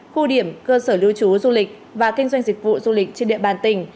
khu điểm cơ sở lưu trú du lịch và kinh doanh dịch vụ du lịch trên địa bàn tỉnh